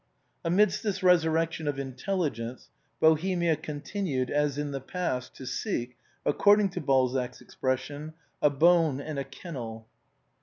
Amidst this resurrection of intelligence, Bohemia con tinued as in the past to seek, according to Balzac's expres sion, a bone and a kennel.